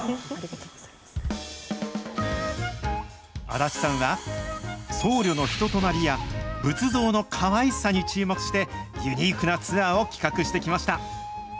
安達さんは僧侶の人となりや仏像のかわいさに注目してユニークなツアーを企画してきました。